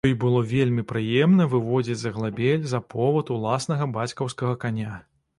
Ёй было вельмі прыемна выводзіць з аглабель за повад уласнага бацькаўскага каня.